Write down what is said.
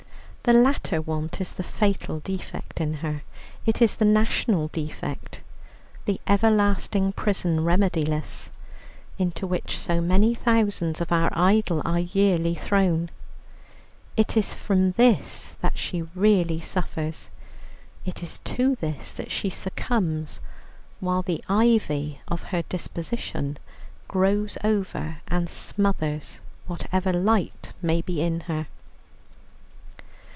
The latter want is the fatal defect in her: it is the national defect, "the everlasting prison remediless" into which so many thousands of our idle are yearly thrown; it is from this that she really suffers; it is to this that she succumbs, while the ivy of her disposition grows over and smothers whatever light may be in her.